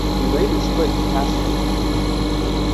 He later split with Castro.